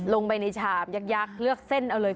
ลงไปในฉาบยักษ์เลือกเส้นเอาเลย